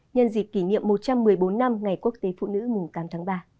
nhân dịp kỷ niệm một trăm một mươi bốn năm ngày quốc tế phụ nữ mùng tám tháng ba